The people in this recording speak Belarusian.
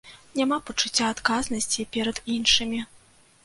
Няма пачуцця адказнасці перад іншымі.